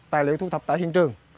tài liệu thu thập tại hiện trường